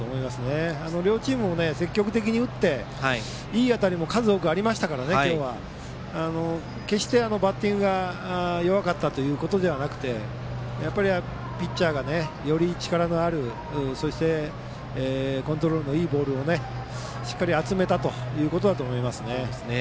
両チーム、積極的に打って今日はいい当たりも数多くありましたから決してバッティングが弱かったということではなくてピッチャーが、より力のあるそしてコントロールのいいボールをしっかり集めたということだと思いますね。